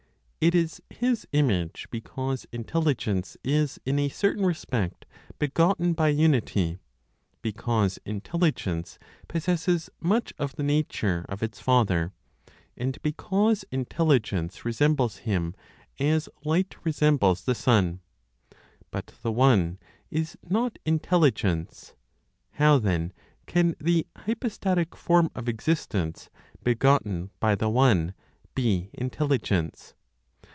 It is His image because Intelligence is, in a certain respect, begotten by Unity, because Intelligence possesses much of the nature of its father, and because Intelligence resembles Him as light resembles the sun. But the One is not Intelligence; how then can the hypostatic (form of existence) begotten by the One be Intelligence?